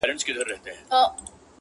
نه نه غلط سوم وطن دي چین دی،